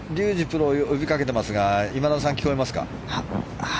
プロに呼び掛けてますが今田さん、聞こえますか？